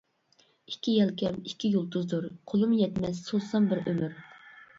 ئىككى يەلكەم ئىككى يۇلتۇزدۇر، قولۇم يەتمەس سوزسام بىر ئۆمۈر.